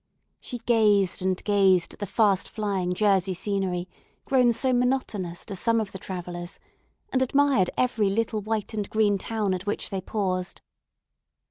She gazed and gazed at the fast flying Jersey scenery, grown so monotonous to some of the travellers, and admired every little white and green town at which they paused.